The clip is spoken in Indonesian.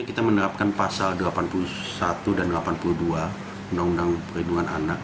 kita menerapkan pasal delapan puluh satu dan delapan puluh dua undang undang perlindungan anak